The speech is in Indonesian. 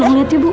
bisa liat ya bu